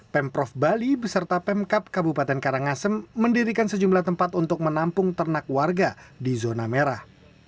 pemprov bali beserta pemkap kabupaten karangasem mendirikan sejumlah tempat untuk menampung ternak warga di zona merah